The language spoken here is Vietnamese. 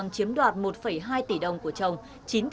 thì em đã đưa ra thông tin là